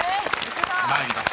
［参ります。